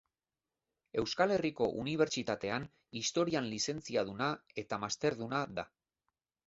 Euskal Herriko Unibertsitatean Historian lizentziaduna eta masterduna da.